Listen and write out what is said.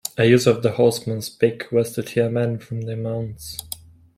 A use of the horseman's pick was to tear men from their mounts.